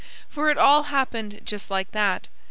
For it all happened just like that.